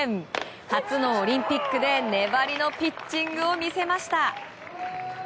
初のオリンピックで粘りのピッチングを見せました。